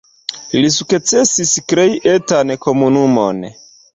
Li sukcesis krei etan komunumon.